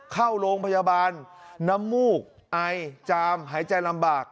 เข้าโรงพยาบาลน้ำมูกไอจามหายใจลำบาก